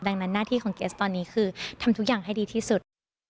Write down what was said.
ดังนั้นหน้าที่ของเกสตอนนี้คือทำทุกอย่างให้ดีที่สุด